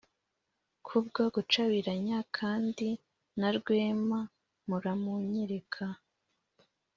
kubwo gucabiranya, kandi na rwema muramunyereka